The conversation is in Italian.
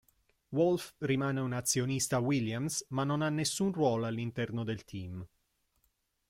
Wolff rimane un azionista Williams, ma non ha nessun ruolo all'interno del team.